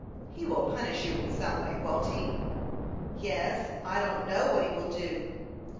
"He will punish you in some way won't he?" "Yes. I don't know what he will do."